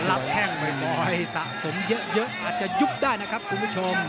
รับแข้งองค์เดี๋ยวสะสมเยอะเยอะอาจจะหยุบได้นะครับคุณผู้ชม